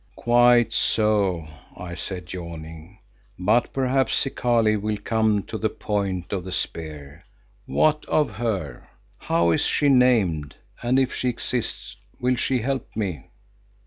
"Quite so," I said, yawning, "but perhaps, Zikali, you will come to the point of the spear. What of her? How is she named, and if she exists will she help me?"